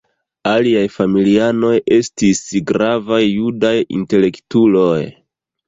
Aliaj familianoj estis gravaj judaj intelektuloj.